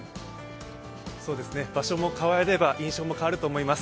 そうですね、場所も変われば印象も変わると思います。